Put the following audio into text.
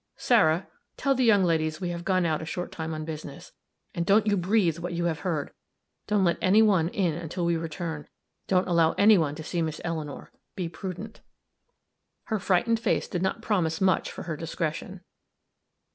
Sarah, tell the young ladies we have gone out a short time on business and don't you breathe what you have heard. Don't let any one in until we return don't allow any one to see Miss Eleanor. Be prudent." Her frightened face did not promise much for her discretion.